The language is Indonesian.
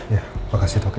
ya makasih dok ya